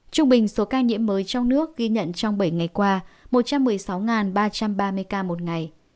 trung bình số ca nhiễm mới trong nước ghi nhận trong bảy ngày qua một trăm một mươi sáu ba trăm ba mươi ca một ngày